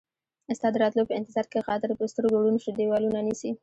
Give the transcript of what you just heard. ستا د راتلو په انتظار کې خاطر ، په سترګو ړوند شو ديوالونه نيسي